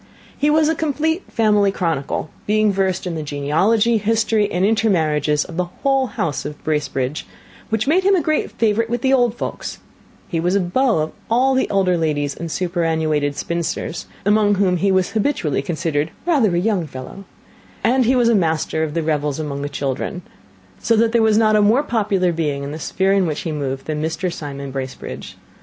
He was a complete family chronicle, being versed in the genealogy, history, and intermarriages of the whole house of Bracebridge, which made him a great favourite with the old folks; he was a beau of all the elder ladies and superannuated spinsters, among whom he was habitually considered rather a young fellow, and he was a master of the revels among the children; so that there was not a more popular being in the sphere in which he moved than Mr. Simon Bracebridge.